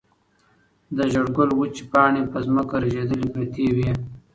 د زېړ ګل وچې پاڼې په ځمکه رژېدلې پرتې وې.